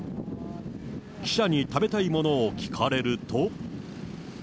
記者に食べたいものを聞かれると。